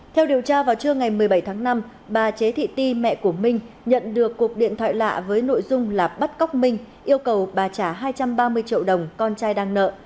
theo điều tra vào trưa ngày một mươi bảy tháng năm bà chế thị ti mẹ của minh nhận được cuộc điện thoại lạ với nội dung là bắt cóc minh yêu cầu bà trả hai trăm ba mươi triệu đồng con trai đang nợ